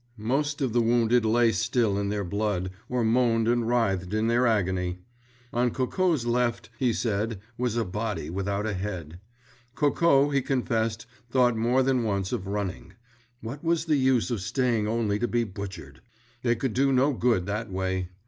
_" Most of the wounded lay still in their blood, or moaned and writhed in their agony. On Coco's left, he said, was a body without a head. Coco, he confessed, thought more than once of running. What was the use of staying only to be butchered? They could do no good that way.